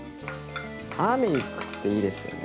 ターメリックっていいですよね。